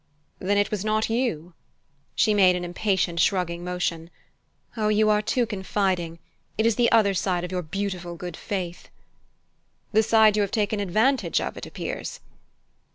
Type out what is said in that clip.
"Then it was not you ?" She made an impatient shrugging motion. "Oh, you are too confiding it is the other side of your beautiful good faith!" "The side you have taken advantage of, it appears?"